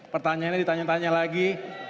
pertanyaannya ditanya tanya lagi